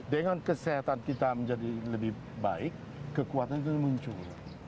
dengan kesehatan kita menjadi lebih baik kekuatan itu muncul